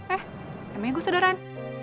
eh emangnya gue saudaran